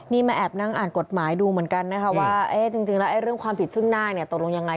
นี่มาแอบนั่งอ่านกฎหมายดูเหมือนกันนะคะว่าจริงแล้วเรื่องความผิดซึ่งหน้าเนี่ยตกลงยังไง